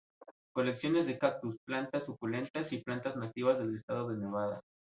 Colecciones de cactus, plantas suculentas y planta nativas del estado de Nevada.